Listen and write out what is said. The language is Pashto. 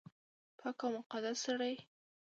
پاک او مقدس سړی